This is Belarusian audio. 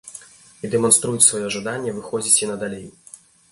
І дэманструюць сваё жаданне выходзіць і надалей.